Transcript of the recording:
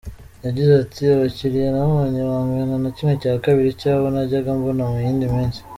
Yagize ati “Abakiriya nabonye bangana na ½ cy’abo najyaga mbona mu yindi minsi.